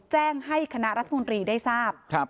แจ้งให้คณะรัฐมนตรีได้ทราบ